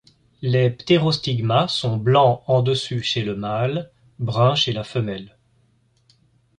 Les pterostigmas sont blancs en dessus chez le mâle, bruns chez la femelle.